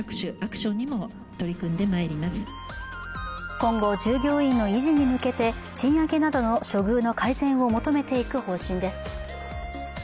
今後、従業員の維持に向けて賃上げなどの処遇の改善などを求めていく方針です。